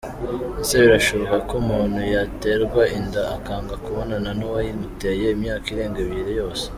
Ese birashoboka ko umuntu yaterwa inda akanga kubonana n’uwayimuteye imyaka irenga ebyiri yose